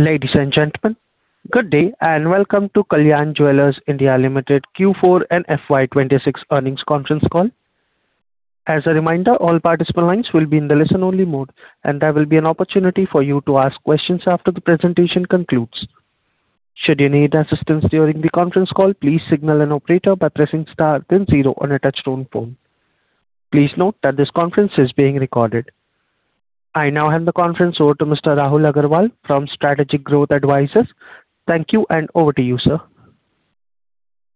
Ladies and gentlemen, good day and welcome to Kalyan Jewellers India Limited Q4 and FY 2026 earnings conference call. As a reminder, all participant lines will be in the listen-only mode, and there will be an opportunity for you to ask questions after the presentation concludes. Should you need assistance during the conference call, please signal an operator by pressing star then zero on a touch-tone phone. Please note that this conference is being recorded. I now hand the conference over to Mr. Rahul Agarwal from Strategic Growth Advisors. Thank you and over to you, sir.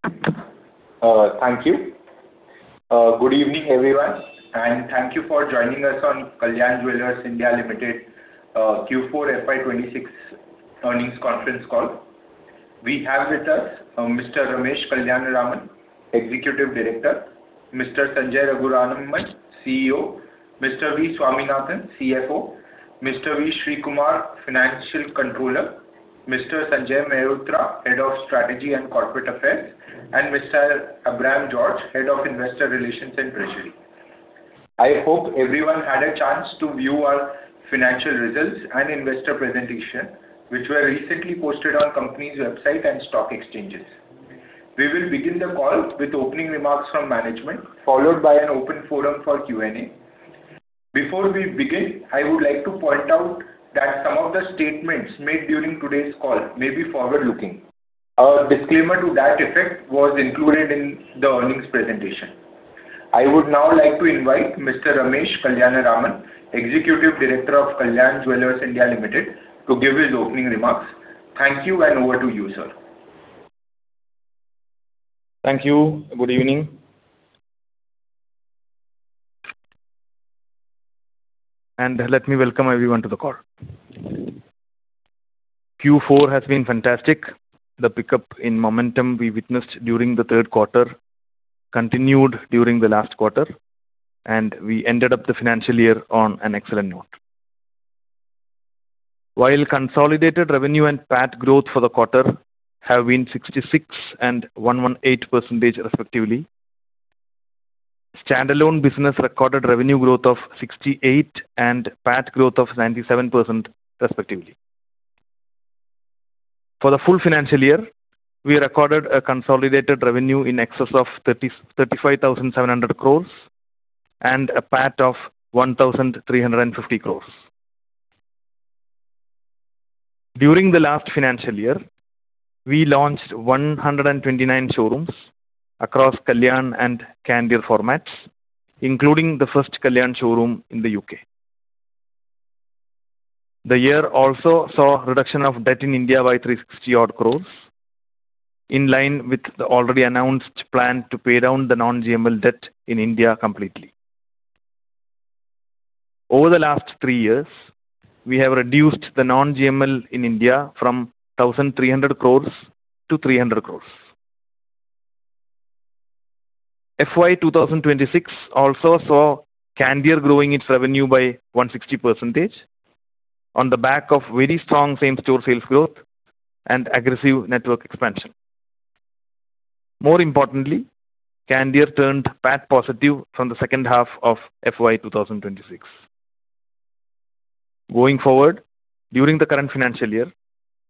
Thank you. Good evening, everyone, and thank you for joining us on Kalyan Jewellers India Limited Q4 FY 2026 earnings conference call. We have with us Mr. Ramesh Kalyanaraman, Executive Director, Mr. Sanjay Raghuraman, CEO, Mr. V. Swaminathan, CFO, Mr. V. Sreekumar, Financial Controller, Mr. Sanjay Mehrotra, Head of Strategy and Corporate Affairs, and Mr. Abraham George, Head of Investor Relations and Treasury. I hope everyone had a chance to view our financial results and investor presentation, which were recently posted on company's website and stock exchanges. We will begin the call with opening remarks from management, followed by an open forum for Q&A. Before we begin, I would like to point out that some of the statements made during today's call may be forward-looking. Our disclaimer to that effect was included in the earnings presentation. I would now like to invite Mr. Ramesh Kalyanaraman, Executive Director of Kalyan Jewellers India Limited, to give his opening remarks. Thank you, and over to you, sir. Thank you. Good evening, and let me welcome everyone to the call. Q4 has been fantastic. The pickup in momentum we witnessed during the third quarter continued during the last quarter, and we ended up the financial year on an excellent note. While consolidated revenue and PAT growth for the quarter have been 66% and 118% respectively, standalone business recorded revenue growth of 68% and PAT growth of 97% respectively. For the full financial year, we recorded a consolidated revenue in excess of 35,700 crores and a PAT of 1,350 crores. During the last financial year, we launched 129 showrooms across Kalyan and Candere formats, including the first Kalyan showroom in the U.K. The year also saw reduction of debt in India by 360-odd crores, in line with the already announced plan to pay down the non-GML debt in India completely. Over the last three years, we have reduced the non-GML in India from 1,300 crores to 300 crores. FY 2026 also saw Candere growing its revenue by 160% on the back of very strong same-store sales growth and aggressive network expansion. More importantly, Candere turned PAT positive from the second half of FY 2026. Going forward, during the current financial year,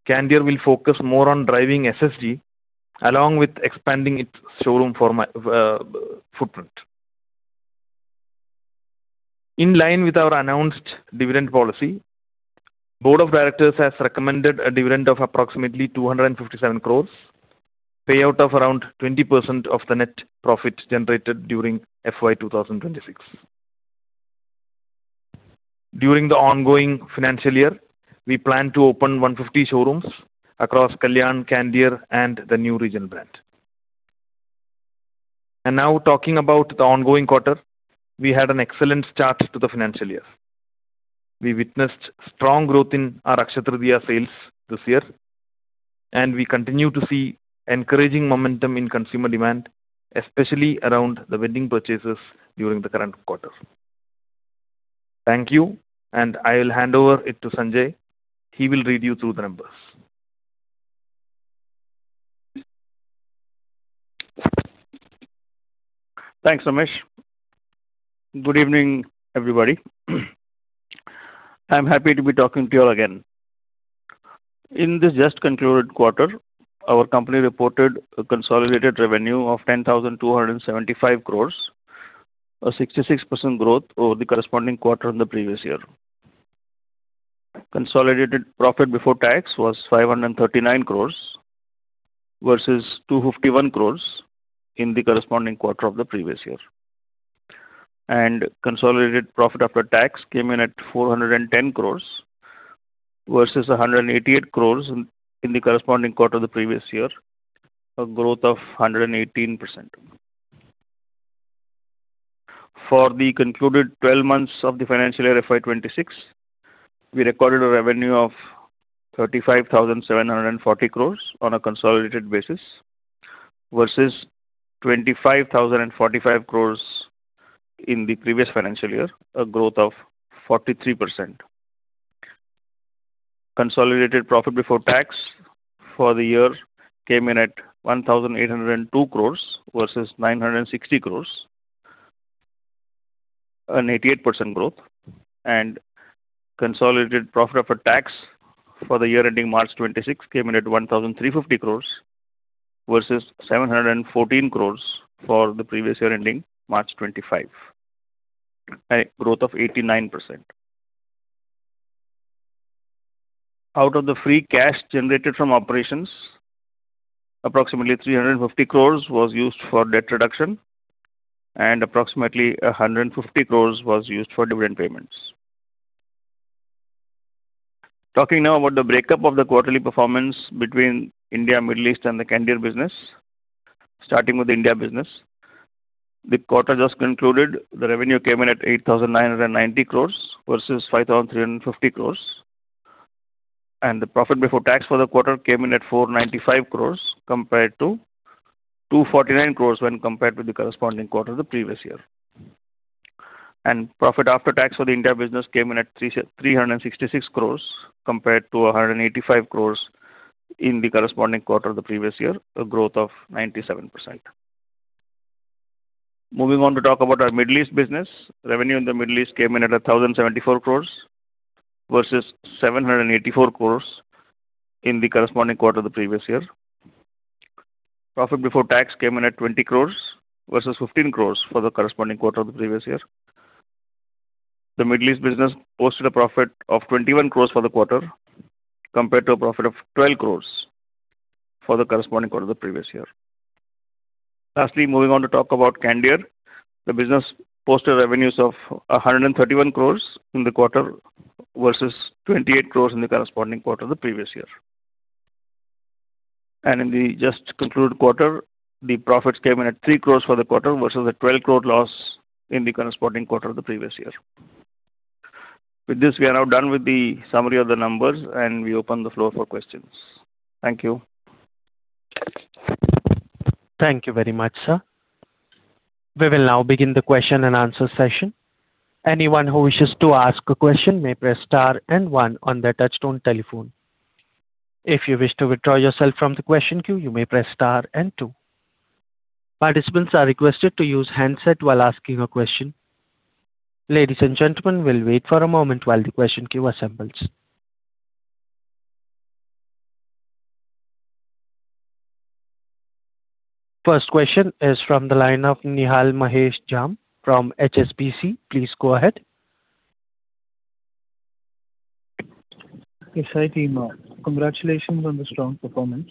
Candere will focus more on driving SSG along with expanding its showroom format footprint. In line with our announced dividend policy, Board of Directors has recommended a dividend of approximately 257 crores, payout of around 20% of the net profit generated during FY 2026. During the ongoing financial year, we plan to open 150 showrooms across Kalyan, Candere, and the new regional brand. Now talking about the ongoing quarter, we had an excellent start to the financial year. We witnessed strong growth in our Akshaya Tritiya sales this year. We continue to see encouraging momentum in consumer demand, especially around the wedding purchases during the current quarter. Thank you, and I will hand over it to Sanjay. He will read you through the numbers. Thanks, Ramesh. Good evening, everybody. I am happy to be talking to you all again. In this just concluded quarter, our company reported a consolidated revenue of 10,275 crores, a 66% growth over the corresponding quarter in the previous year. Consolidated profit before tax was 539 crores versus 251 crores in the corresponding quarter of the previous year. Consolidated profit after tax came in at 410 crores versus 188 crores in the corresponding quarter of the previous year, a growth of 118%. For the concluded 12 months of the financial year FY 2026, we recorded a revenue of 35,740 crores on a consolidated basis versus 25,045 crores in the previous financial year, a growth of 43%. Consolidated profit before tax for the year came in at 1,802 crores versus 960 crores. An 88% growth. Consolidated profit after tax for the year ending March 2026 came in at 1,350 crores versus 714 crores for the previous year ending March 2025. A growth of 89%. Out of the free cash generated from operations, approximately 350 crores was used for debt reduction and approximately 150 crores was used for dividend payments. Talking now about the breakup of the quarterly performance between India, Middle East, and the Candere business. Starting with the India business. The quarter just concluded, the revenue came in at 8,990 crores versus 5,350 crores. The profit before tax for the quarter came in at 495 crores compared to 249 crores when compared with the corresponding quarter the previous year. Profit after tax for the India business came in at 366 crores compared to 185 crores in the corresponding quarter the previous year, a growth of 97%. Moving on to talk about our Middle East business. Revenue in the Middle East came in at 1,074 crores versus 784 crores in the corresponding quarter the previous year. Profit before tax came in at 20 crores versus 15 crores for the corresponding quarter of the previous year. The Middle East business posted a profit of 21 crores for the quarter, compared to a profit of 12 crores for the corresponding quarter the previous year. Lastly, moving on to talk about Candere. The business posted revenues of 131 crores in the quarter versus 28 crores in the corresponding quarter the previous year. In the just concluded quarter, the profits came in at 3 crores for the quarter versus a 12 crore loss in the corresponding quarter the previous year. With this, we are now done with the summary of the numbers, and we open the floor for questions. Thank you. Thank you very much, sir. We will now begin the question-and-answer session. Anyone who wishes to ask a question may press star and one on their touch-tone telephone. If you wish to withdraw yourself from the question queue, you may press star and two. Participants are requested to use handset while asking a question. Ladies and gentlemen, we will wait for a moment while the question queue assembles. First question is from the line of Nihal Mahesh Jham from HSBC. Please go ahead. Hi, team. Congratulations on the strong performance.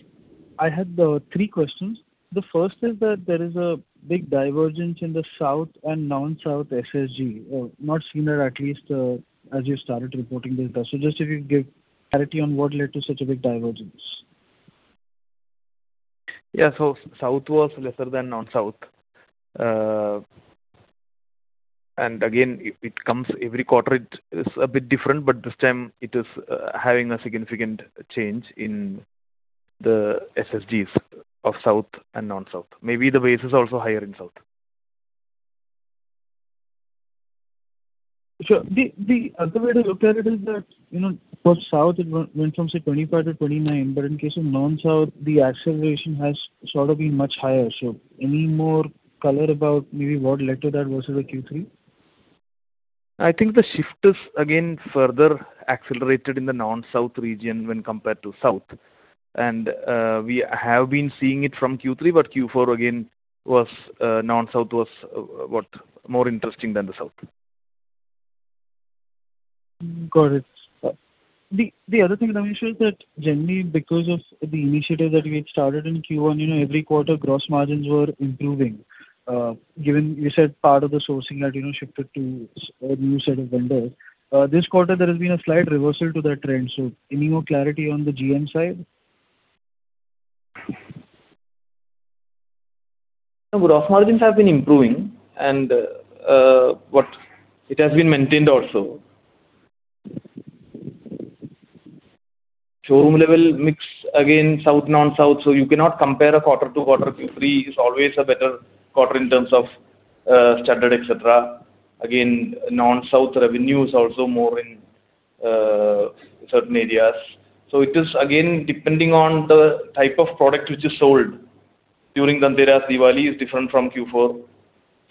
I had three questions. The first is that there is a big divergence in the South and non-South SSG, not seen at least as you started reporting the data. Just if you give clarity on what led to such a big divergence. South was lesser than non-South. Again, it comes every quarter. It is a bit different, this time it is having a significant change in the SSGs of South and non-South. Maybe the base is also higher in South. Sure. The other way to look at it is that, you know, for South it went from, say, 25%-29%, but in case of non-South, the acceleration has sort of been much higher. Any more color about maybe what led to that versus the Q3? I think the shift is again further accelerated in the non-South region when compared to South. We have been seeing it from Q3, but Q4 again was, non-South was, more interesting than the South. Got it. The other thing, Ramesh, is that generally because of the initiative that we had started in Q1, you know, every quarter gross margins were improving. Given you said part of the sourcing had, you know, shifted to a new set of vendors. This quarter there has been a slight reversal to that trend. Any more clarity on the GM side? No, gross margins have been improving and it has been maintained also. Showroom level mix again South, non-South, you cannot compare a quarter-to-quarter. Q3 is always a better quarter in terms of standard, etc. Non-South revenue is also more in certain areas. It is again, depending on the type of product which is sold during Dhanteras, Diwali is different from Q4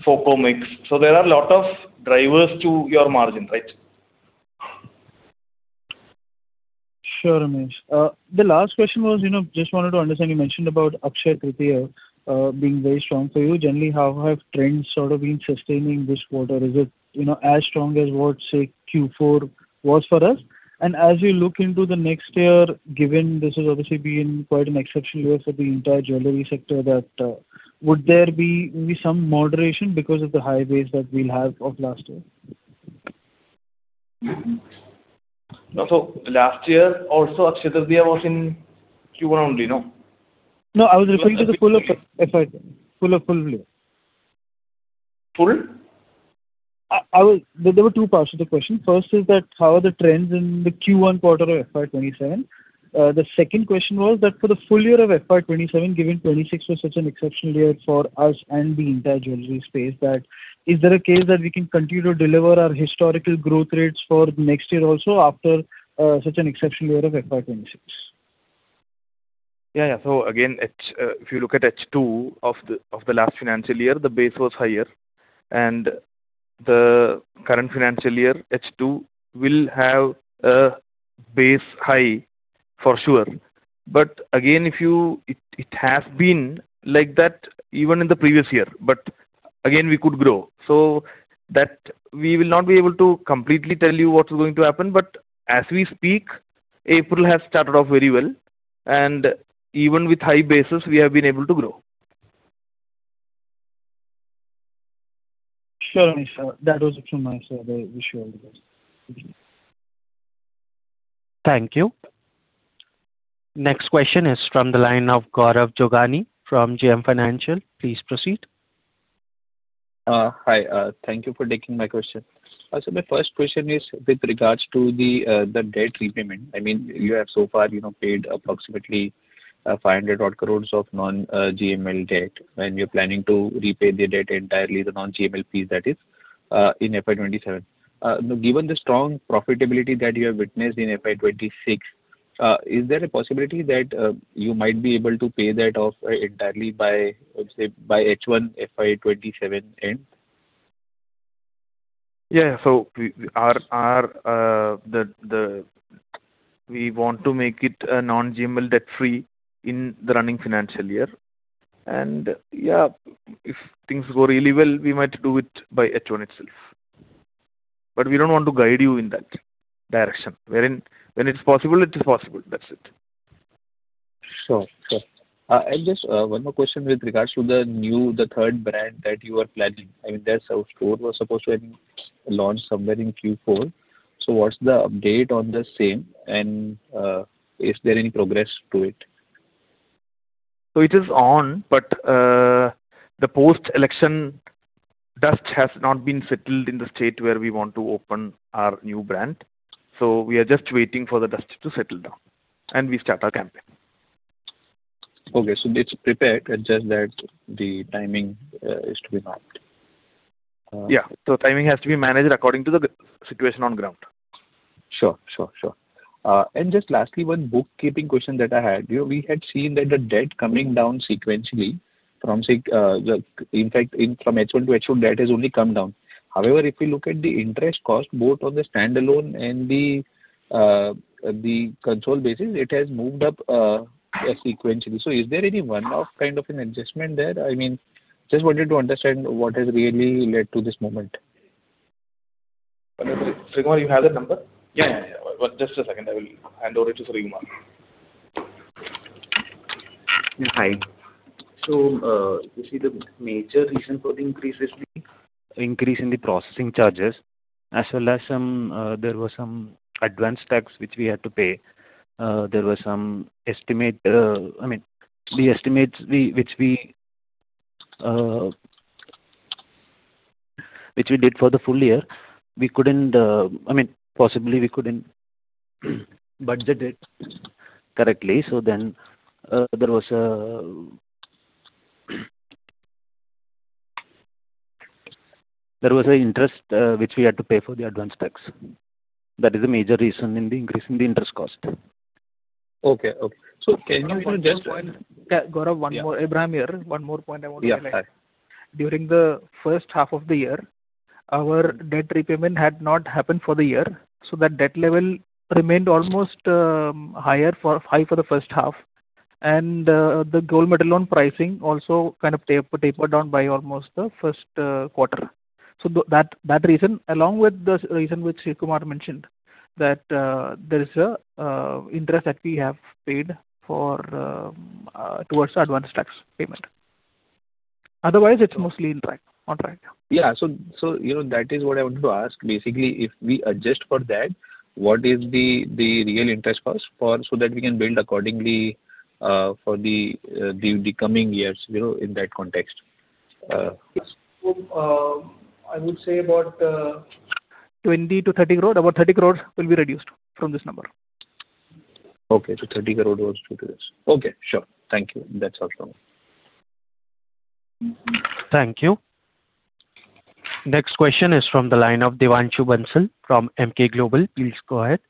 FOCO mix. There are a lot of drivers to your margin, right? Sure, Ramesh. The last question was, you know, just wanted to understand, you mentioned about Akshaya Tritiya, being very strong for you. Generally, how have trends sort of been sustaining this quarter? Is it, you know, as strong as what, say, Q4 was for us? As we look into the next year, given this has obviously been quite an exceptional year for the entire jewelry sector, would there be maybe some moderation because of the high base that we'll have of last year? No. Last year also, Akshaya Tritiya was in Q1 only, no? No, I was referring to the full of full-year. Full? There were two parts to the question. First is that how are the trends in the Q1 quarter of FY 2027? The second question was that for the full-year of FY 2027, given 2026 was such an exceptional year for us and the entire jewellery space, that is there a case that we can continue to deliver our historical growth rates for the next year also after such an exceptional year of FY 2026? Yeah. Again, if you look at H2 of the last financial year, the base was higher. The current financial year, H2 will have a base high for sure. Again, it has been like that even in the previous year, again, we could grow. That we will not be able to completely tell you what is going to happen. As we speak, April has started off very well, and even with high bases we have been able to grow. Sure, sir. That was it from my side. I wish you all the best. Thank you. Thank you. Next question is from the line of Gaurav Jogani from JM Financial. Please proceed. Hi, thank you for taking my question. My first question is with regards to the debt repayment. I mean, you have so far, you know, paid approximately 500-odd crores of non-GML debt, and you're planning to repay the debt entirely, the non-GML fees that is, in FY 2027. Given the strong profitability that you have witnessed in FY 2026, is there a possibility that you might be able to pay that off entirely by, let's say, by H1 FY 2027 end? We want to make it a non-GML debt-free in the running financial year. If things go really well, we might do it by H1 itself. We don't want to guide you in that direction, wherein when it's possible, it is possible. That's it. Sure. Just one more question with regards to the new, the third brand that you are planning. I mean, that store was supposed to have been launched somewhere in Q4. What's the update on the same, and is there any progress to it? It is on, but the post-election dust has not been settled in the state where we want to open our new brand. We are just waiting for the dust to settle down, and we start our campaign. Okay, it's prepared. It's just that the timing is to be marked. Yeah, timing has to be managed according to the situation on ground. Sure. Just lastly, one bookkeeping question that I had. You know, we had seen that the debt coming down sequentially from say, like in fact from H1 to H2 debt has only come down. If you look at the interest cost, both on the standalone and the control basis, it has moved up sequentially. Is there any one-off kind of an adjustment there? I mean, just wanted to understand what has really led to this movement. Sreekumar, you have that number? Yeah, yeah. Just a second. I will hand over to Sreekumar. Hi, you see the major reason for the increase is the increase in the processing charges, as well as some, there were some advance tax which we had to pay. There were some estimate, I mean, the estimates we, which we, which we did for the full-year, we couldn't, I mean, possibly we couldn't budget it correctly. There was an interest which we had to pay for the advance tax. That is a major reason in the increase in the interest cost. Okay. Gaurav, one more point. Yeah, Gaurav, one more. Abraham here. One more point I want to highlight. Yeah, hi. During the first half of the year, our debt repayment had not happened for the year, that debt level remained almost high for the first half. The Gold Metal Loan pricing also kind of tapered down by almost the first quarter. That reason, along with the reason which Sreekumar mentioned, that there is a interest that we have paid for towards the advance tax payment. Otherwise, it's mostly on track. You know, that is what I wanted to ask. Basically, if we adjust for that, what is the real interest cost for so that we can build accordingly for the coming years, you know, in that context? I would say about, 20 crore-30 crore. About 30 crore will be reduced from this number. Okay, 30 crore was due to this. Okay, sure, thank you. That's all from me. Thank you. Next question is from the line of Devanshu Bansal from Emkay Global. Please go ahead.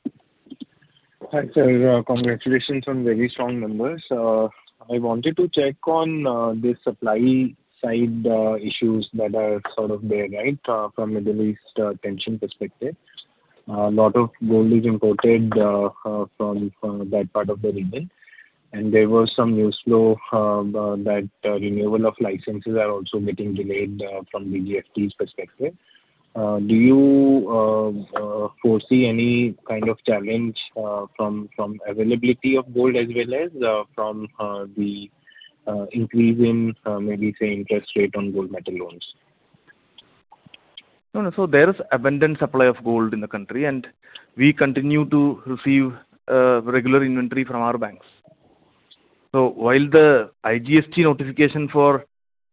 Hi, sir. Congratulations on very strong numbers. I wanted to check on the supply side issues that are sort of there, right? From Middle East tension perspective. Lot of gold is imported from that part of the region. There was some news flow that renewal of licenses are also getting delayed from DGFT perspective. Do you foresee any kind of challenge from availability of gold as well as from the increase in maybe say interest rate on Gold Metal Loans? No, no. There is abundant supply of gold in the country, and we continue to receive regular inventory from our banks. While the IGST notification for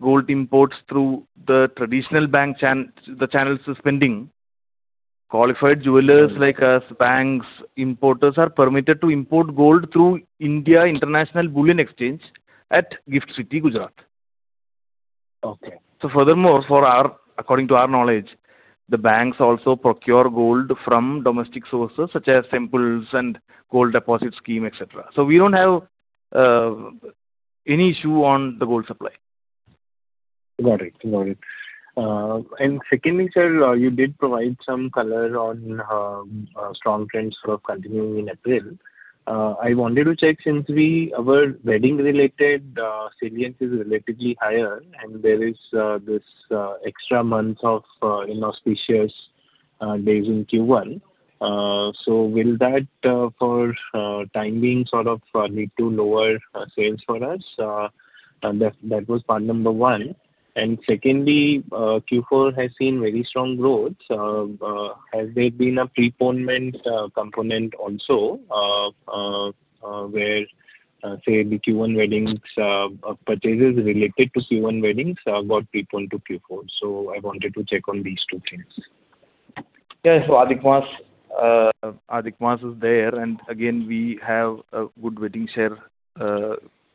gold imports through the traditional bank channel suspending, qualified jewelers like us, banks, importers are permitted to import gold through India International Bullion Exchange at GIFT City, Gujarat. Furthermore, according to our knowledge, the banks also procure gold from domestic sources such as temples and gold deposit scheme, etc. We don't have any issue on the gold supply. Got it. Secondly, sir, you did provide some color on strong trends sort of continuing in April. I wanted to check since we our wedding-related salience is relatively higher, and there is this extra month of inauspicious days in Q1. Will that for time being sort of lead to lower sales for us? That was part number one. Secondly, Q4 has seen very strong growth. Has there been a preponement component also where say the Q1 weddings purchases related to Q1 weddings got preponed to Q4? I wanted to check on these two things. Adhik Maas, Adhik Maas is there, and again, we have a good wedding share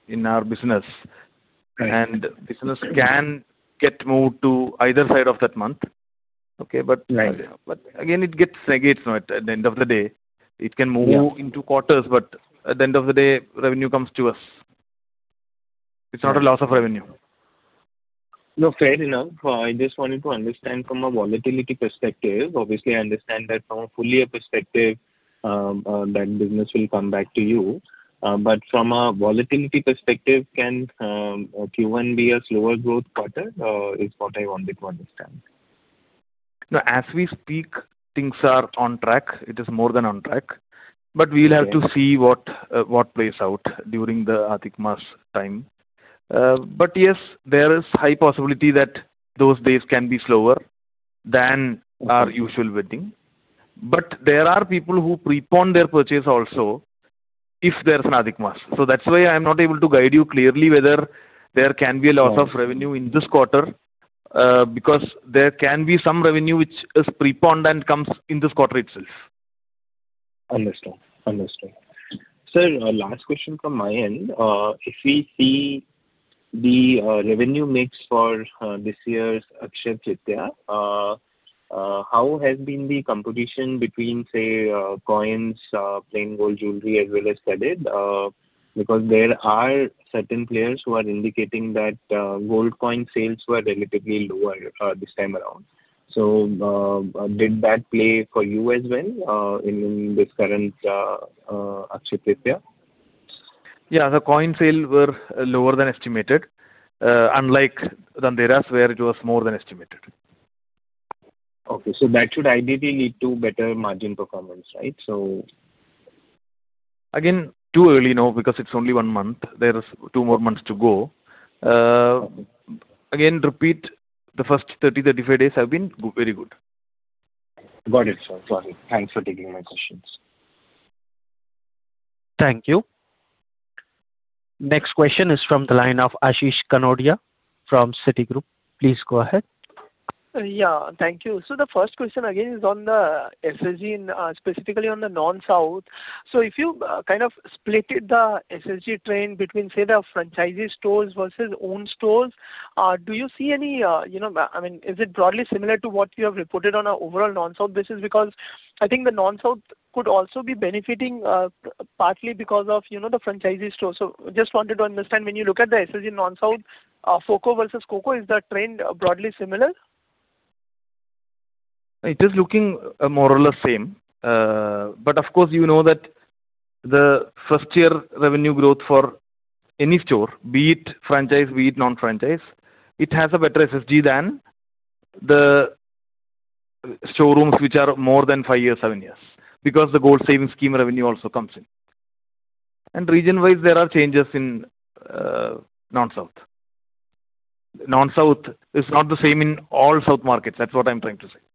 in our business. Business can get moved to either side of that month. Okay? Right. Again, it gets aggregated, no, at the end of the day. It can move into quarters, but at the end of the day, revenue comes to us. It is not a loss of revenue. No, fair enough. I just wanted to understand from a volatility perspective. Obviously, I understand that from a full-year perspective, that business will come back to you. From a volatility perspective, can Q1 be a slower growth quarter, is what I wanted to understand. No. As we speak, things are on track. It is more than on track. We'll have to see what plays out during the Adhik Maas time. Yes, there is high possibility that those days can be slower than our usual wedding. There are people who prepone their purchase also if there's an Adhik Maas. That's why I'm not able to guide you clearly whether there can be a loss of revenue in this quarter because there can be some revenue which is preponed and comes in this quarter itself. Understood. Sir, last question from my end. If we see the revenue mix for this year's Akshaya Tritiya, how has been the competition between, say, coins, plain gold jewelry as well as studded? Because there are certain players who are indicating that gold coin sales were relatively lower this time around. Did that play for you as well, in this current Akshaya Tritiya? Yeah, the coin sale were lower than estimated, unlike the studded where it was more than estimated. Okay. That should ideally lead to better margin performance, right? Too early now because it's only one month. There is two more months to go. The first 30-35 days have been very good. Got it, sir. Thanks for taking my questions. Thank you. Next question is from the line of Ashish Kanodia from Citigroup. Please go ahead. Yeah, thank you. The first question, again, is on the SSG and specifically on the non-South. If you kind of splitted the SSG trend between, say, the franchisee stores versus owned stores, do you see any, you know, I mean, is it broadly similar to what you have reported on a overall non-South business? Because I think the non-South could also be benefiting partly because of, you know, the franchisee stores. Just wanted to understand, when you look at the SSG non-South, FOCO versus COCO, is the trend broadly similar? It is looking, more or less same. Of course, you know that the first year revenue growth for any store, be it franchise, be it non-franchise, it has a better SSG than the showrooms which are more than five years, seven years, because the Gold Savings Scheme revenue also comes in. Region-wise, there are changes in non-South. Non-South is not the same in all South markets. That's what I'm trying to say.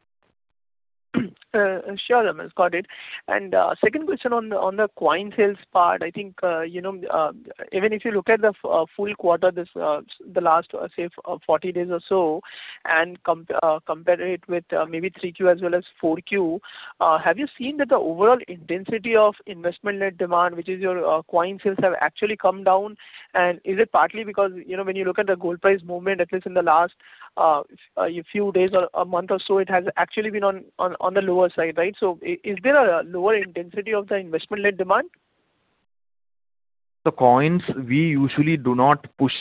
Sure, Ramesh. Got it. Second question on the coin sales part. I think, you know, even if you look at the full quarter this, the last, say 40 days or so, and compare it with, maybe 3Q as well as 4Q, have you seen that the overall intensity of investment-led demand, which is your coin sales, have actually come down? Is it partly because, you know, when you look at the gold price movement, at least in the last few days or a month or so, it has actually been on the lower side, right? Is there a lower intensity of the investment-led demand? The coins, we usually do not push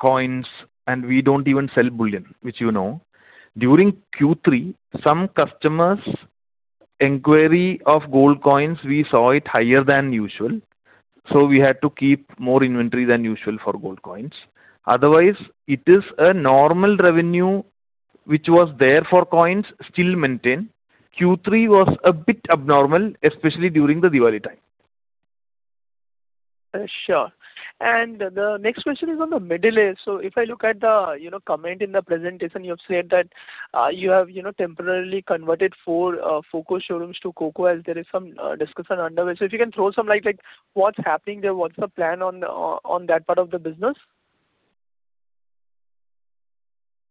coins, and we don't even sell bullion, which you know. During Q3, some customers inquiry of gold coins, we saw it higher than usual, so we had to keep more inventory than usual for gold coins. Otherwise, it is a normal revenue which was there for coins still maintained. Q3 was a bit abnormal, especially during the Diwali time. Sure. The next question is on the Middle East. If I look at the, you know, comment in the presentation, you have said that you have, you know, temporarily converted four FOCO showrooms to COCO while there is some discussion underway. If you can throw some light, like what's happening there? What's the plan on that part of the business?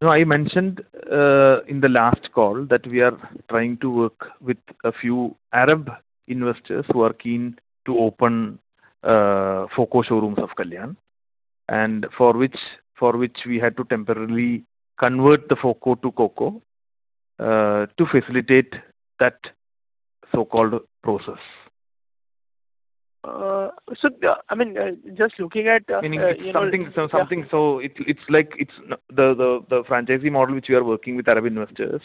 No, I mentioned in the last call that we are trying to work with a few Arab investors who are keen to open FOCO showrooms of Kalyan. For which we had to temporarily convert the FOCO to COCO to facilitate that so-called process. I mean, just looking at, you know. Meaning something, it's like the franchisee model which we are working with Arab investors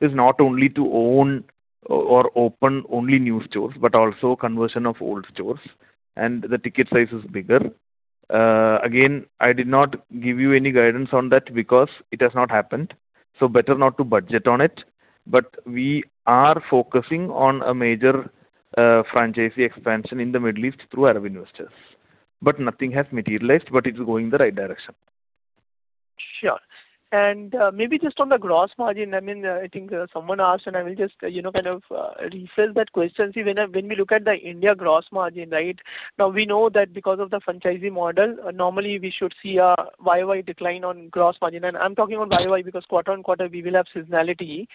is not only to own or open only new stores, but also conversion of old stores, and the ticket size is bigger. Again, I did not give you any guidance on that because it has not happened, so better not to budget on it. We are focusing on a major, franchisee expansion in the Middle East through Arab investors. Nothing has materialized, but it is going in the right direction. Sure. Maybe just on the gross margin, I think someone asked, and I will just, you know, kind of refill that question. See when we look at the India gross margin, right? Now we know that because of the franchisee model, normally we should see a YoY decline on gross margin. I am talking on YoY because quarter-on-quarter we will have seasonality,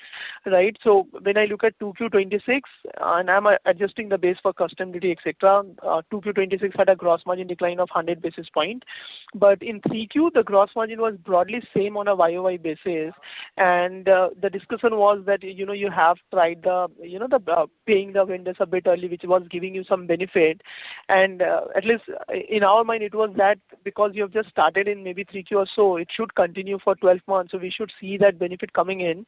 right? When I look at 2Q 2026, and I'm adjusting the base for custom duty, etc, 2Q 2026 had a gross margin decline of 100 basis points. In 3Q, the gross margin was broadly same on a YoY basis. The discussion was that, you know, you have tried the paying the vendors a bit early, which was giving you some benefit. At least in our mind it was that because you have just started in maybe 3Q or so, it should continue for 12 months, we should see that benefit coming in.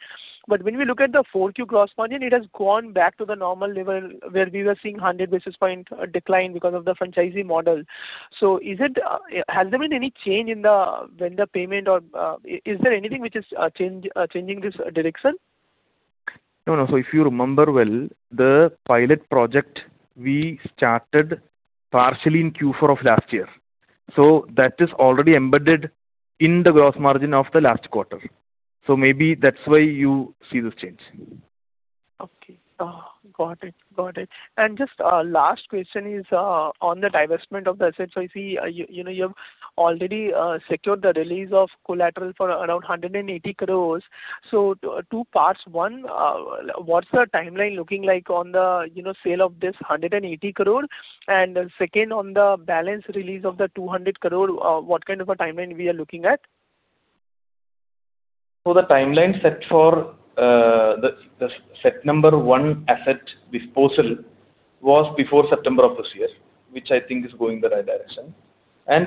When we look at the 4Q gross margin, it has gone back to the normal level where we were seeing 100 basis points decline because of the franchisee model. Is it, has there been any change in the vendor payment or is there anything which is changing this direction? No, no. If you remember well, the pilot project we started partially in Q4 of last year, that is already embedded in the gross margin of the last quarter. Maybe that's why you see this change. Okay, got it. Just a last question is on the divestment of the assets. I see, you know, you have already secured the release of collateral for around 180 crore. two parts. One, what's the timeline looking like on the, you know, sale of this 180 crore? Second, on the balance release of the 200 crore, what kind of a timeline we are looking at? The timeline set for the set number one asset disposal was before September of this year, which I think is going the right direction.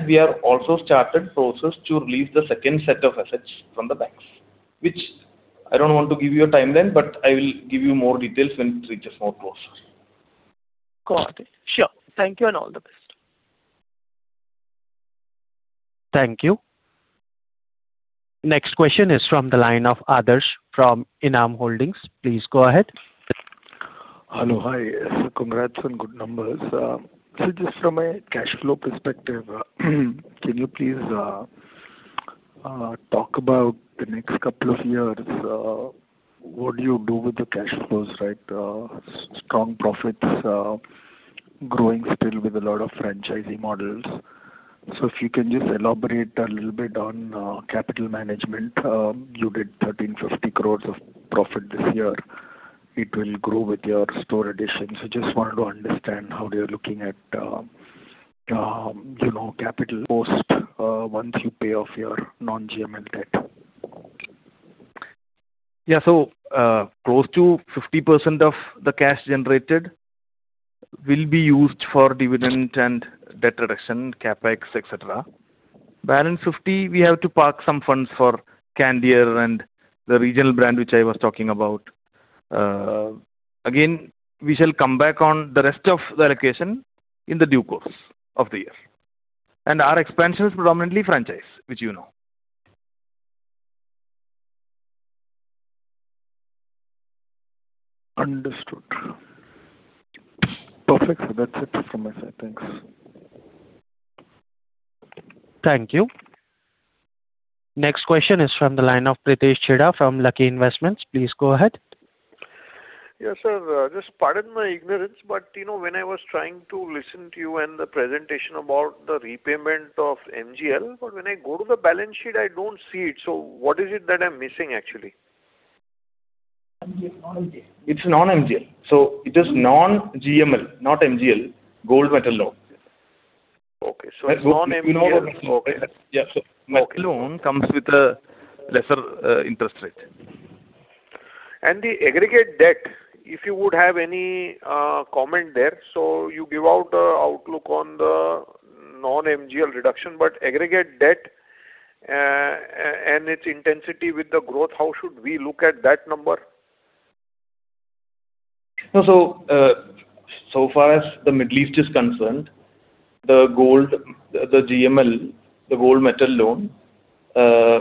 We have also started process to release the second set of assets from the banks, which I don't want to give you a timeline, but I will give you more details when it reaches more close. Got it. Sure, thank you and all the best. Thank you. Next question is from the line of Adarsh from ENAM Holdings. Please go ahead. Hello. Hi. Congrats on good numbers. Just from a cash flow perspective, can you please talk about the next couple of years, what do you do with the cash flows, right? Strong profits, growing still with a lot of franchisee models. If you can just elaborate a little bit on capital management. You did 1,350 crores of profit this year. It will grow with your store additions. Just wanted to understand how you're looking at, you know, capital post, once you pay off your non-GML debt. Yeah. Close to 50% of the cash generated will be used for dividend and debt reduction, CapEx, etc. Balance 50%, we have to park some funds for Candere and the regional brand which I was talking about. Again, we shall come back on the rest of the allocation in the due course of the year. Our expansion is predominantly franchise, you know. Understood. Perfect, that's it from my side. Thanks. Thank you. Next question is from the line of Pritesh Chheda from Lucky Investment Managers. Please go ahead. Yeah, sir. just pardon my ignorance, but, you know, when I was trying to listen to you in the presentation about the repayment of MGL, but when I go to the balance sheet, I don't see it. What is it that I'm missing actually? It is non-GML, not MGL. Gold Metal Loan. Okay. non-GML? Yeah. Okay. Metal loan comes with a lesser interest rate. The aggregate debt, if you would have any, comment there. You give out a outlook on the non-GML reduction, but aggregate debt, and its intensity with the growth, how should we look at that number? So far as the Middle East is concerned, the gold, the GML, the gold metal loan,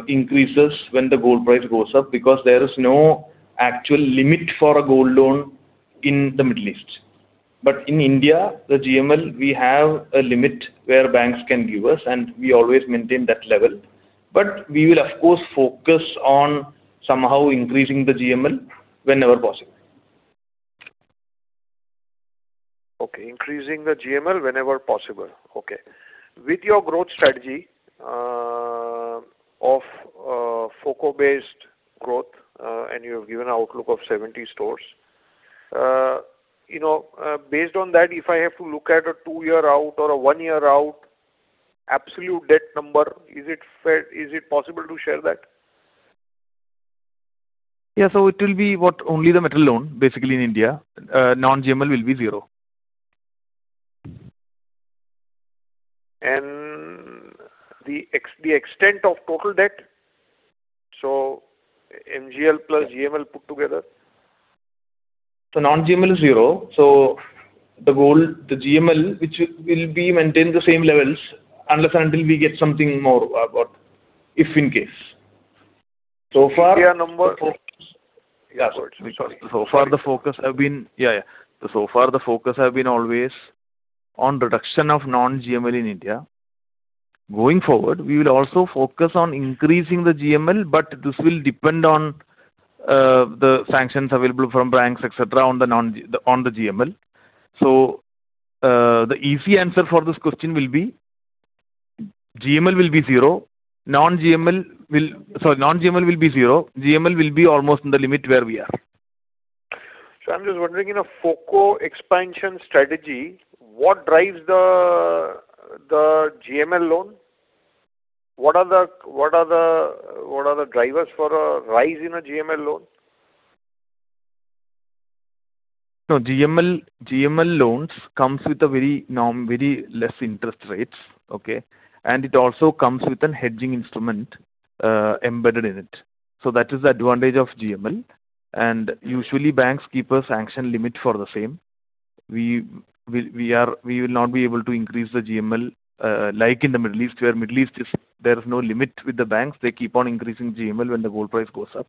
increases when the gold price goes up because there is no actual limit for a gold loan in the Middle East. In India, the GML, we have a limit where banks can give us, and we always maintain that level. We will of course focus on somehow increasing the GML whenever possible. Okay, increasing the GML whenever possible? Okay. With your growth strategy, Of FOCO-based growth, and you have given outlook of 70 stores. You know, based on that, if I have to look at a two-year out or a one-year out absolute debt number, is it possible to share that? Yeah. It will be what only the metal loan basically in India. Non-GML will be zero. The extent of total debt, so MGL plus GML put together? Non-GML is zero. The GML, which will be maintained the same levels unless and until we get something more about if in case. India number? Yeah, sorry. Far the focus have been always on reduction of non-GML in India. Going forward, we will also focus on increasing the GML, but this will depend on the sanctions available from banks, etc, on the GML. The easy answer for this question will be GML will be zero. Non-GML will be zero. GML will be almost in the limit where we are. I'm just wondering in a FOCO expansion strategy, what drives the GML loan? What are the drivers for a rise in a GML loan? No. GML loans comes with a very very less interest rates. Okay? It also comes with an hedging instrument embedded in it. That is the advantage of GML. Usually banks keep a sanction limit for the same. We will not be able to increase the GML like in the Middle East, where Middle East is there is no limit with the banks. They keep on increasing GML when the gold price goes up.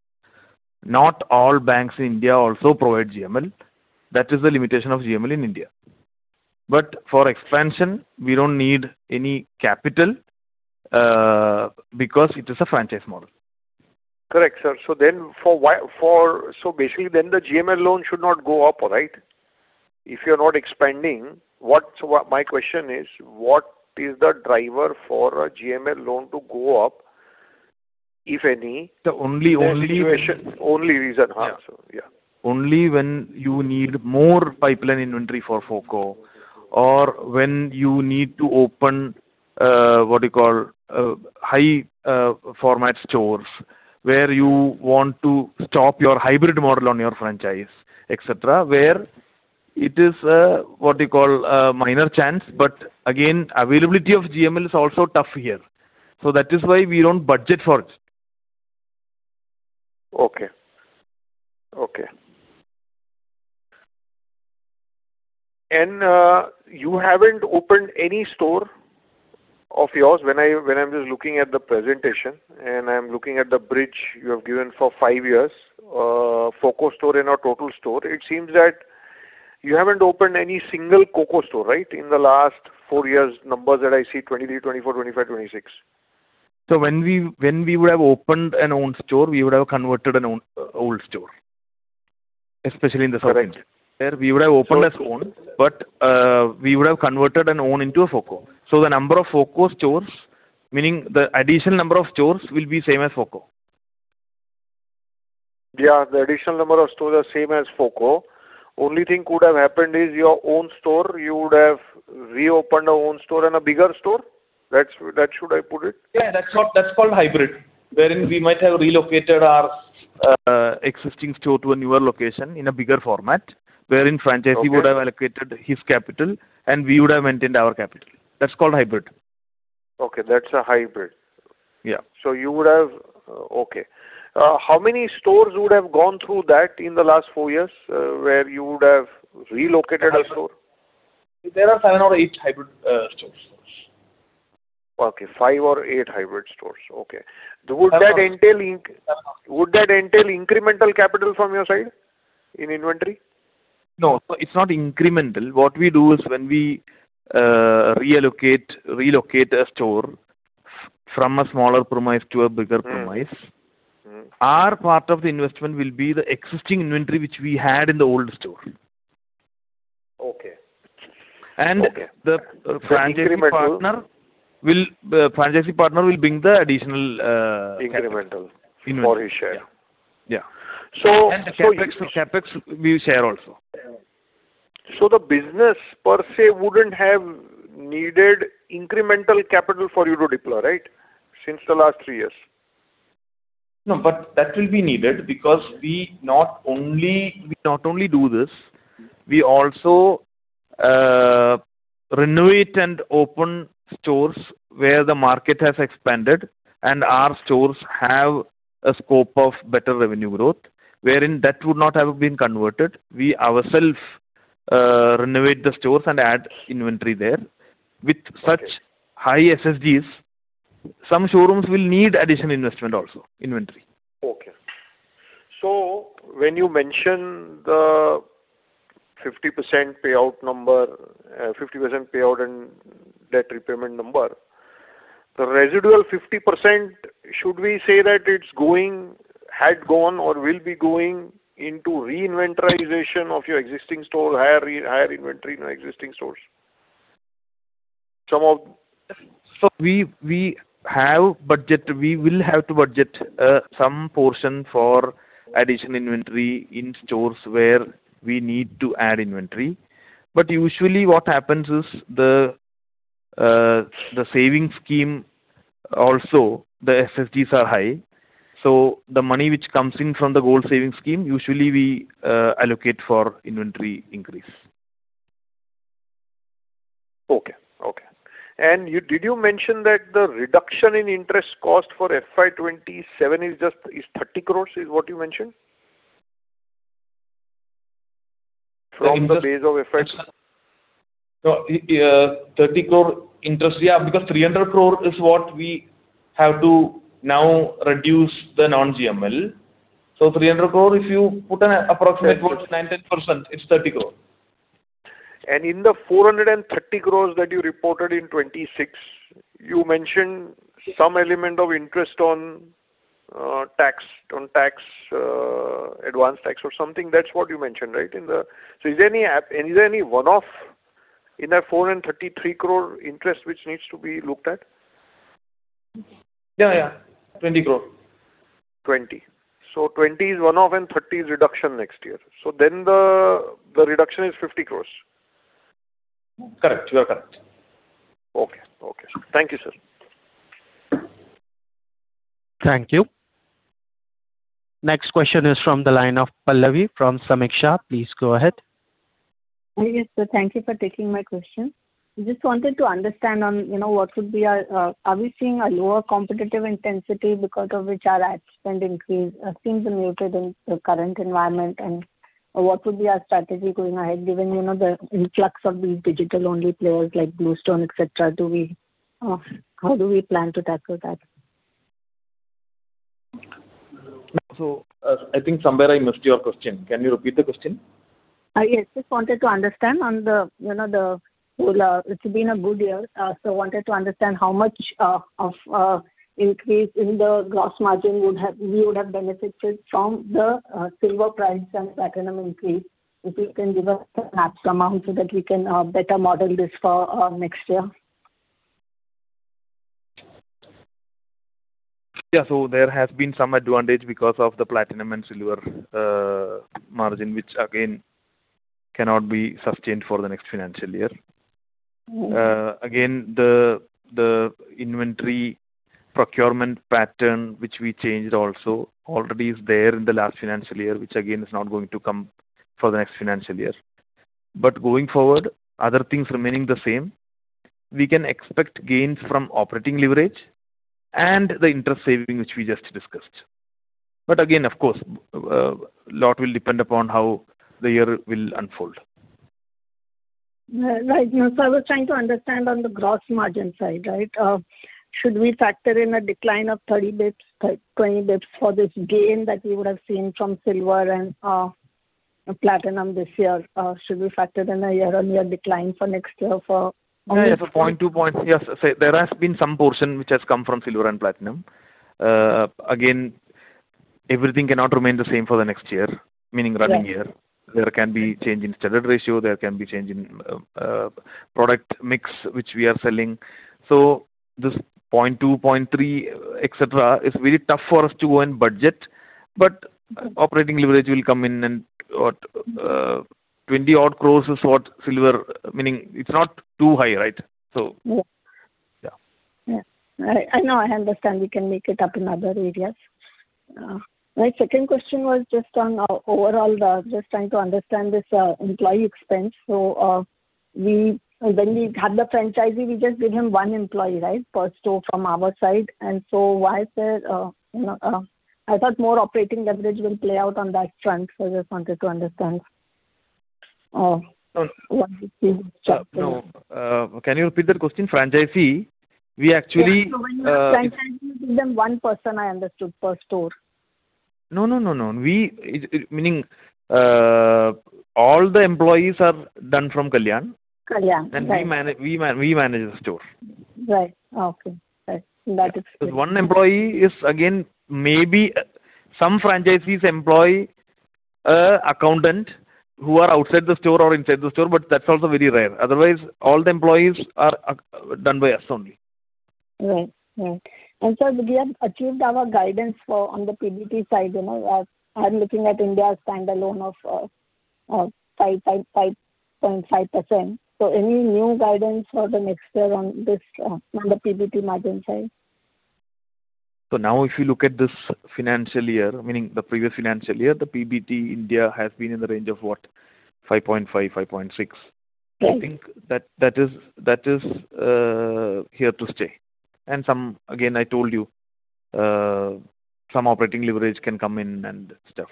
Not all banks in India also provide GML. That is the limitation of GML in India. For expansion, we don't need any capital because it is a franchise model. Correct, sir. Basically then the GML loan should not go up, right? If you're not expanding, my question is, what is the driver for a GML loan to go up, if any? The only- The situation. Only reason. yeah. Only when you need more pipeline inventory for FOCO or when you need to open high format stores where you want to stop your hybrid model on your franchise, etc, where it is a minor chance. Again, availability of GML is also tough here. That is why we don't budget for it. Okay. You haven't opened any store of yours. When I'm just looking at the presentation and I'm looking at the bridge you have given for five years, FOCO store and our total store, it seems that you haven't opened any single FOCO store, right? In the last four years numbers that I see, 2023, 2024, 2025, 2026. When we would have opened an own store, we would have converted an own old store, especially in the South, where we would have opened as own, but, we would have converted an own into a FOCO. The number of FOCO stores, meaning the additional number of stores will be same as FOCO. Yeah. The additional number of stores are same as FOCO. Only thing could have happened is your own store, you would have reopened a own store and a bigger store. That should I put it? Yeah. That's called hybrid, wherein we might have relocated our existing store to a newer location in a bigger format, wherein franchisee would have allocated his capital and we would have maintained our capital. That's called hybrid. Okay. That's a hybrid? Yeah. You would have, okay. How many stores would have gone through that in the last four years, where you would have relocated a store? There are seven or eight hybrid stores. Okay. Five or eight hybrid stores. Okay. Would that entail? Seven or eight. Would that entail incremental capital from your side in inventory? No. It's not incremental. What we do is when we relocate a store from a smaller premise to a bigger premise. Our part of the investment will be the existing inventory which we had in the old store. Okay. The franchisee partner will bring the additional. Incremental for his share. Yeah. So, so- The CapEx we share also. The business per se wouldn't have needed incremental capital for you to deploy, right, since the last three years? That will be needed because we not only do this, we also renovate and open stores where the market has expanded and our stores have a scope of better revenue growth, wherein that would not have been converted. We ourself renovate the stores and add inventory there. With such high SSGs, some showrooms will need additional investment also, inventory. When you mention the 50% payout number, 50% payout and debt repayment number, the residual 50%, should we say that it's going, had gone or will be going into reinventarization of your existing store, higher inventory in your existing stores? We will have to budget some portion for additional inventory in stores where we need to add inventory. Usually what happens is the Gold Savings Scheme also, the GSS are high. The money which comes in from the Gold Savings Scheme, usually we allocate for inventory increase. Okay. Did you mention that the reduction in interest cost for FY 2027 is just 30 crores, is what you mentioned? From the base of FY 20- No, 30 crore interest, yeah, because 300 crore is what we have to now reduce the non-GML. 300 crore, if you put an approximate towards 9%-10%, it's 30 crore. In the 430 crore that you reported in 2026, you mentioned some element of interest on tax, advanced tax or something. That's what you mentioned, right? Is there any one-off in that 433 crore interest which needs to be looked at? Yeah, yeah. 20 crore. INR 20crore? So, 20 crore is one-off and 30 crore is reduction next year. The reduction is 50 crores? Correct. You are correct. Okay. Thank you, sir. Thank you. Next question is from the line of Pallavi from Sameeksha Capital. Please go ahead. Yes, sir. Thank you for taking my question. Just wanted to understand on, you know, are we seeing a lower competitive intensity because of which our ad spend increase seems muted in the current environment? What would be our strategy going ahead, given, you know, the influx of these digital-only players like BlueStone, etc? How do we plan to tackle that? I think somewhere I missed your question. Can you repeat the question? Yes. Just wanted to understand on the, you know, the whole, it's been a good year. Wanted to understand how much of increase in the gross margin we would have benefited from the silver price and platinum increase. If you can give us perhaps amount so that we can better model this for next year. Yeah, there has been some advantage because of the platinum and silver margin, which again cannot be sustained for the next financial year. Again, the inventory procurement pattern which we changed also already is there in the last financial year, which again is not going to come for the next financial year. Going forward, other things remaining the same, we can expect gains from operating leverage and the interest saving which we just discussed. Again, of course, lot will depend upon how the year will unfold. I was trying to understand on the gross margin side, right? Should we factor in a decline of 30 bits, 20 bits for this gain that we would have seen from silver and platinum this year? Should we factor in a year-on-year decline for next year? Yeah. 2 point. Yes. There has been some portion which has come from silver and platinum. Again, everything cannot remain the same for the next year, meaning running year. Right. There can be change in standard ratio, there can be change in product mix which we are selling. This 0.2, 0.3, etc, is very tough for us to go and budget, but operating leverage will come in and, what, 20-odd crores is what silver. Meaning it's not too high, right? Yeah. Yeah. Yeah. I know, I understand we can make it up in other areas. My second question was just on our overall, just trying to understand this employee expense. When we had the franchisee, we just gave him one employee, right? Per store from our side. Why is there, you know, I thought more operating leverage will play out on that front. I just wanted to understand what you see. No, can you repeat that question? Franchisee, we actually. Yeah. When the franchisee give them 1%, I understood per store. No, no. Meaning, all the employees are done from Kalyan. Kalyan, right. We manage the store. Right, okay. Right, that is clear. One employee is, again, maybe some franchisees employ a accountant who are outside the store or inside the store, but that's also very rare. Otherwise, all the employees are done by us only. Right. We have achieved our guidance for on the PBT side, you know. I'm looking at India's standalone of 5.5%. Any new guidance for the next year on this on the PBT margin side? Now, if you look at this financial year, meaning the previous financial year, the PBT India has been in the range of what? 5.5, 5.6. Right. I think that is here to stay. Some, again, I told you, some operating leverage can come in and stuff.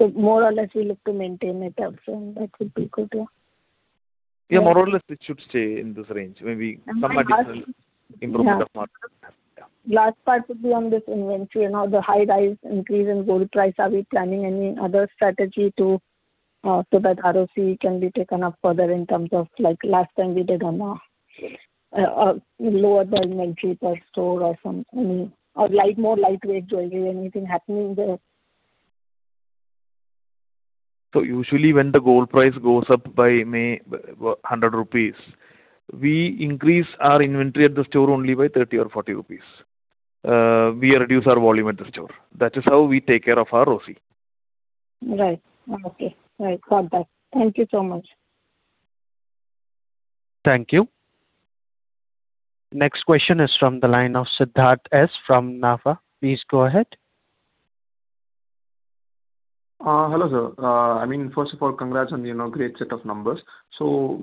More or less we look to maintain it up, so that would be good, yeah. Yeah, more or less it should stay in this range. Maybe some additional improvement or whatever. Yeah. Last part would be on this inventory and all the high-rise increase in gold price. Are we planning any other strategy to, so that ROCE can be taken up further in terms of like last time we did on a lower inventory per store or some, any, or light, more lightweight jewellery, anything happening there? Usually when the gold price goes up by may, 100 rupees, we increase our inventory at the store only by 30 or 40 rupees. We reduce our volume at the store. That is how we take care of our OC. Right, okay. Right, got that. Thank you so much. Thank you. Next question is from the line of Sidharth from NAFA Asset Managers. Please go ahead. Hello sir. I mean, first of all congrats on the, you know, great set of numbers.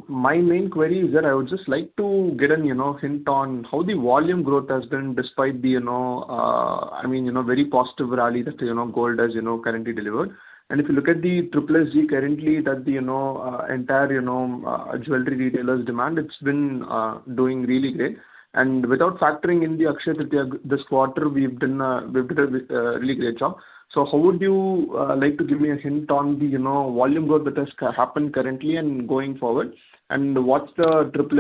My main query is that I would just like to get an, you know, hint on how the volume growth has been despite the, you know, I mean, you know, very positive rally that, you know, gold has, you know, currently delivered. If you look at the SSG currently that the, you know, entire, you know, jewelry retailers demand, it's been doing really great. Without factoring in the Akshaya Tritiya this quarter, we've done a really great job. How would you like to give me a hint on the, you know, volume growth that has happened currently and going forward? What's the, would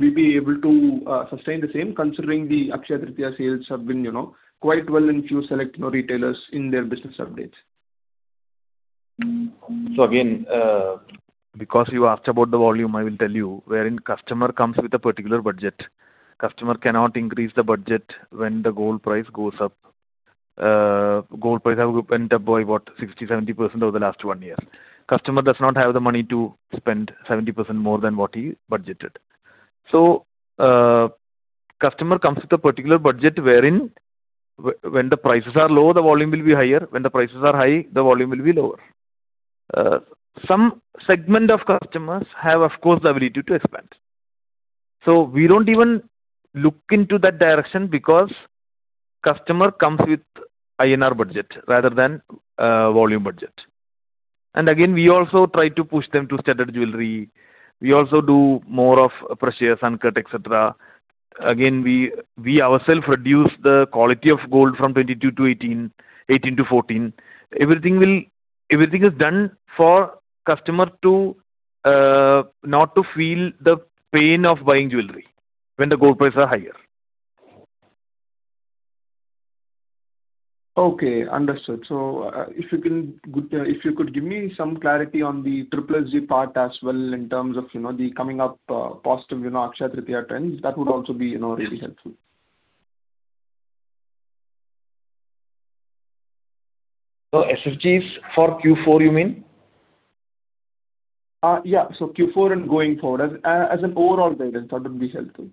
we be able to sustain the same considering the Akshaya Tritiya sales have been, you know, quite well in few select, you know, retailers in their business updates? Again, because you asked about the volume, I will tell you wherein customer comes with a particular budget. Customer cannot increase the budget when the gold price goes up. Gold price have went up by what, 60%, 70% over the last one year. Customer does not have the money to spend 70% more than what he budgeted. Customer comes with a particular budget wherein when the prices are low, the volume will be higher. When the prices are high, the volume will be lower. Some segment of customers have of course the ability to expand. We don't even look into that direction because customer comes with INR budget rather than volume budget. Again, we also try to push them to standard jewelry. We also do more of precious uncut, etc. We ourselves reduce the quality of gold from 22K to 18K to 14K. Everything is done for customer to not to feel the pain of buying jewelry when the gold prices are higher. Okay, understood. If you could give me some clarity on the GSS part as well in terms of, you know, the coming up, positive, you know, Akshaya Tritiya trends, that would also be, you know, really helpful. SSGs for Q4 you mean? Yeah. Q4 and going forward as an overall guidance, that would be helpful.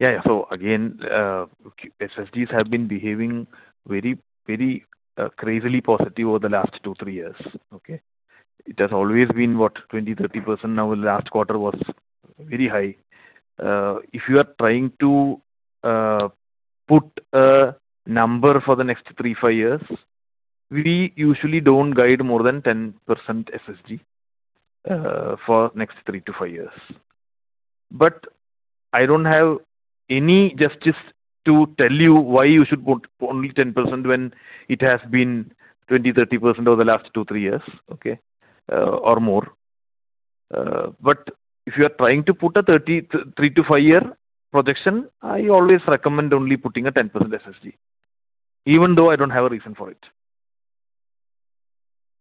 Yeah. Again, SSGs have been behaving very, very crazily positive over the last 2-3 years, okay? It has always been what, 20%-30%. The last quarter was very high. If you are trying to put a number for the next 3-5 years, we usually don't guide more than 10% SSG for next 3-5 years. I don't have any justice to tell you why you should put only 10% when it has been 20%-30% over the last 2-3 years, okay? Or more. If you are trying to put a 3-5 year projection, I always recommend only putting a 10% SSG, even though I don't have a reason for it.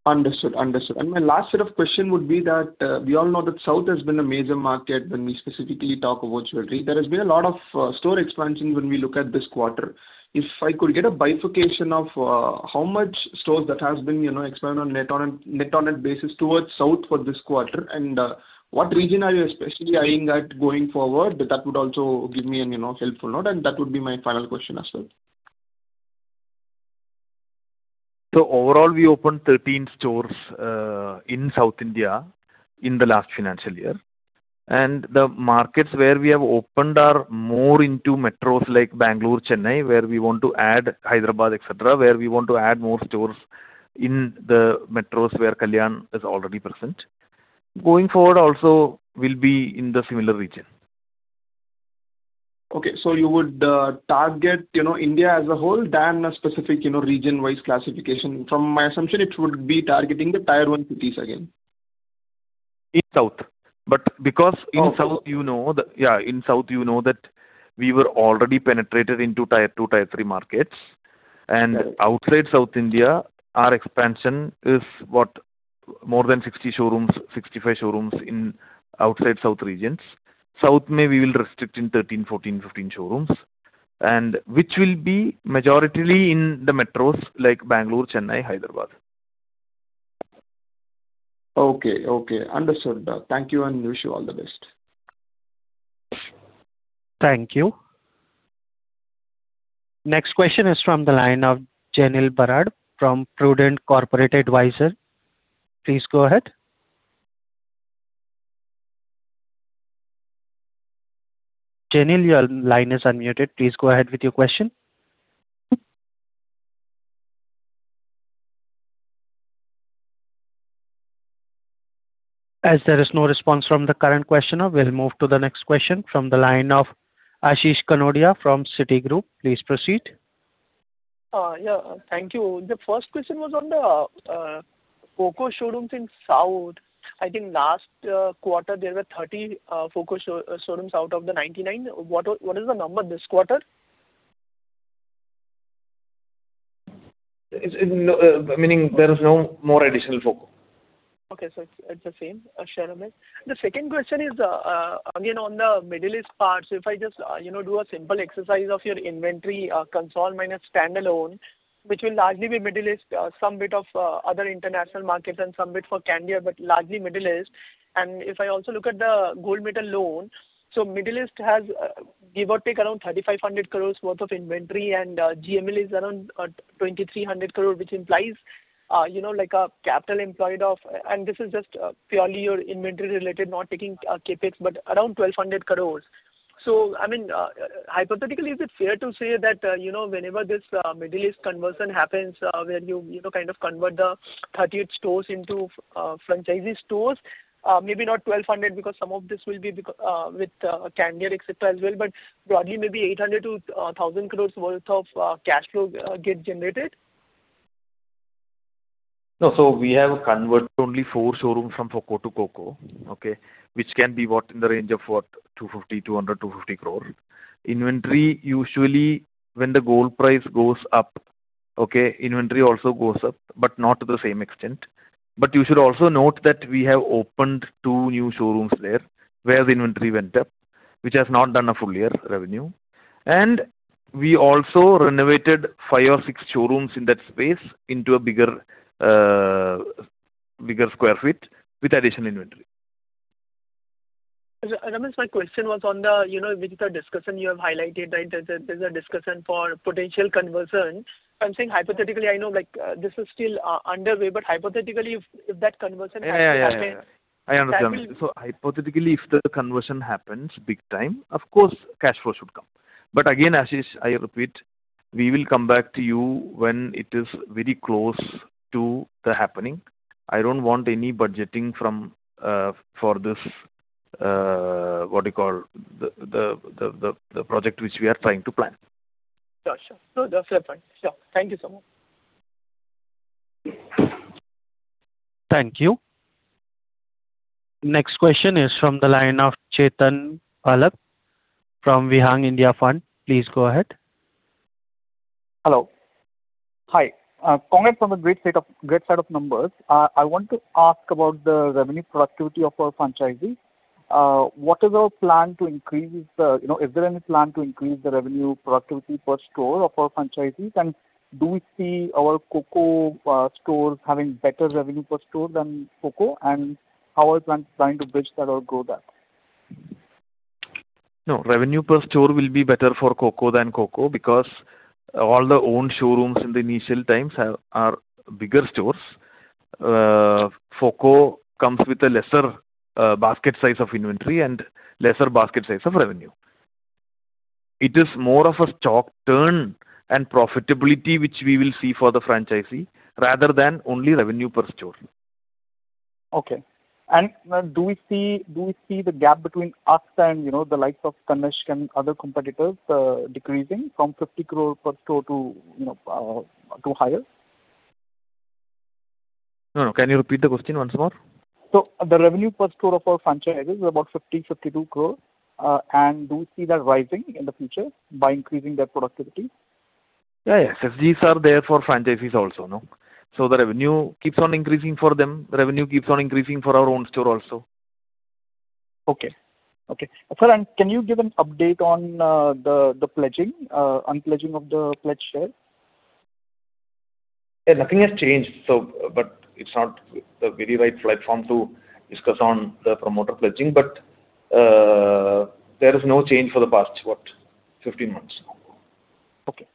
Understood. My last set of question would be that we all know that South has been a major market when we specifically talk about jewellery. There has been a lot of store expansion when we look at this quarter. If I could get a bifurcation of how much stores that has been, you know, expanded on net on net basis towards South for this quarter. What region are you especially eyeing at going forward? That would also give me an, you know, helpful note and that would be my final question as well. Overall, we opened 13 stores in South India in the last financial year. The markets where we have opened are more into metros like Bangalore, Chennai, where we want to add Hyderabad, etc, where we want to add more stores in the metros where Kalyan is already present. Going forward also will be in the similar region. Okay. You would, target, you know, India as a whole than a specific, you know, region-wise classification. From my assumption, it would be targeting the Tier 1 cities again. In South. because in South, you know that we were already penetrated into Tier 2, Tier 3 markets. Outside South India, our expansion is what? More than 60 showrooms, 65 showrooms in outside South regions. South we will restrict in 13, 14, 15 showrooms, and which will be majorly in the metros like Bangalore, Chennai, Hyderabad. Okay, understood. Thank you and wish you all the best. Thank you. Next question is from the line of Janil Barad from Prudent Corporate Advisor. Please go ahead. Janil, your line is unmuted. Please go ahead with your question. As there is no response from the current questioner, we'll move to the next question from the line of Ashish Kanodia from Citigroup. Please proceed. Yeah, thank you. The first question was on the FOCO showrooms in South, I think last quarter there were 30 FOCO showrooms out of the 99. What is the number this quarter? No, meaning there is no more additional FOCO. Okay. It's the same share of it. The second question is again on the Middle East part. If I just, you know, do a simple exercise of your inventory, consolidated minus standalone, which will largely be Middle East, some bit of other international markets and some bit for Candere, but largely Middle East. If I also look at the gold metal loan, Middle East has give or take around 3,500 crore worth of inventory, and GML is around 2,300 crore, which implies, you know, like a capital employed of. This is just purely your inventory related, not taking CapEx, but around 1,200 crore. I mean, hypothetically, is it fair to say that, you know, whenever this Middle East conversion happens, where you know, kind of convert the 38 stores into franchisee stores, maybe not 1,200 because some of this will be with Candere, etc, as well, but broadly maybe 800 crores-1,000 crores worth of cash flow get generated? No. We have converted only four showrooms from FOCO to COCO, which can be worth in the range of 200 crore-250 crore. Inventory, usually when the gold price goes up, inventory also goes up, but not to the same extent. You should also note that we have opened two new showrooms there, where the inventory went up, which has not done a full-year revenue. We also renovated five or six showrooms in that space into a bigger sq ft with additional inventory. Sir, Ramesh, my question was on the, you know, with the discussion you have highlighted, right? There's a discussion for potential conversion. I'm saying hypothetically, I know, like, this is still underway, but hypothetically, if that conversion happens. Yeah, yeah. I understand. That will- Hypothetically, if the conversion happens big time, of course cash flow should come. Again, Ashish, I repeat, we will come back to you when it is very close to the happening. I don't want any budgeting from for this, what do you call, the project which we are trying to plan. Sure. No, that's absolutely fine. Sure. Thank you so much. Thank you. Next question is from the line of Chetan Phalak from Vihan India Fund. Please go ahead. Hello. Hi. Congrats on the great set of numbers. I want to ask about the revenue productivity of our franchisee. What is our plan to increase the You know, is there any plan to increase the revenue productivity per store of our franchisees? Do we see our COCO stores having better revenue per store than FOCO? How are plans trying to bridge that or grow that? Revenue per store will be better for COCO than FOCO because all the owned showrooms in the initial times are bigger stores. FOCO comes with a lesser basket size of inventory and lesser basket size of revenue. It is more of a stock turn and profitability which we will see for the franchisee rather than only revenue per store. Okay. Do we see the gap between us and, you know, the likes of Tanishq and other competitors, decreasing from 50 crore per store to, you know, to higher? No, no. Can you repeat the question once more? The revenue per store of our franchisees is about 50 crore-52 crore. Do we see that rising in the future by increasing their productivity? Yeah, yes. GSS are there for franchisees also, no? The revenue keeps on increasing for them. Revenue keeps on increasing for our own store also. Okay. Sir, can you give an update on the pledging, unpledging of the pledged share? Nothing has changed. It's not the very right platform to discuss on the promoter pledging. There is no change for the past, what, 15 months now. Okay,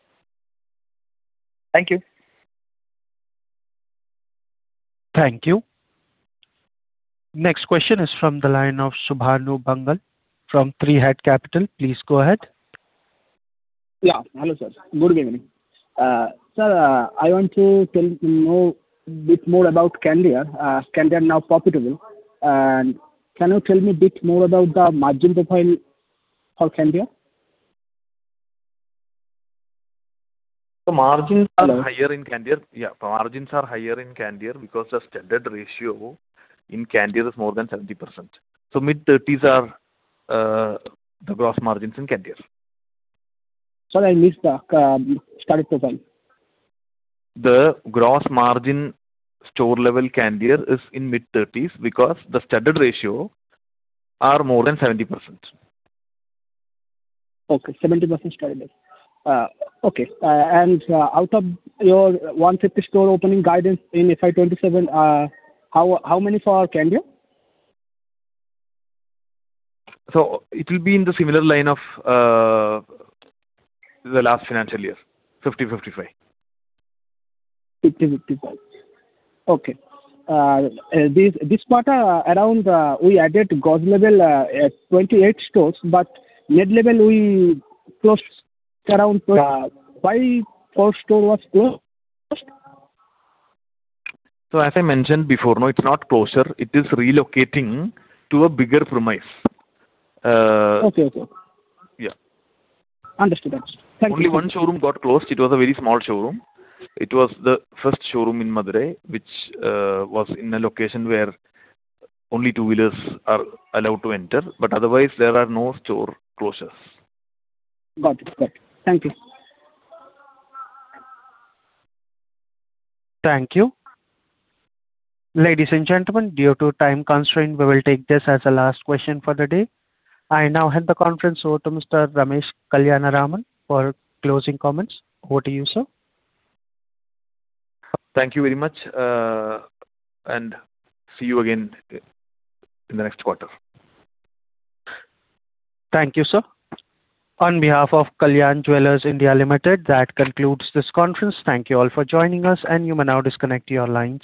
Thank you. Thank you. Next question is from the line of Subhanu Bangal from Three Head Capital. Please go ahead. Hello, sir. Good evening. Sir, I want to know bit more about Candere. Is Candere now profitable? Can you tell me a bit more about the margin profile for Candere? The margins are higher in Candere. Yeah, margins are higher in Candere because the studded ratio in Candere is more than 70%. Mid-30s are the gross margins in Candere. Sorry, I missed the studded profile. The gross margin store level Candere is in mid-thirties because the studded ratio are more than 70%. Okay, 70% studded. Okay. Out of your 150 store opening guidance in FY 2027, how many for Candere? It will be in the similar line of the last financial year, 50, 55. 50, 55. Okay. This quarter around, we added gross level at 28 stores, but net level we closed around four store was closed? As I mentioned before, no, it's not closure. It is relocating to a bigger premise. Okay, okay. Yeah. Understood, thank you. Only one showroom got closed. It was a very small showroom. It was the first showroom in Madurai, which, was in a location where only two-wheelers are allowed to enter, but otherwise there are no store closures. Got it, thank you. Thank you. Ladies and gentlemen, due to time constraint, we will take this as the last question for the day. I now hand the conference over to Mr. Ramesh Kalyanaraman for closing comments. Over to you, sir. Thank you very much. See you again in the next quarter. Thank you, sir. On behalf of Kalyan Jewellers India Limited, that concludes this conference. Thank you all for joining us, and you may now disconnect your lines.